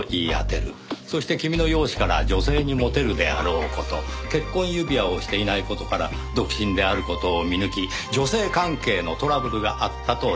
そして君の容姿から女性にモテるであろう事結婚指輪をしていない事から独身である事を見抜き女性関係のトラブルがあったと連想した。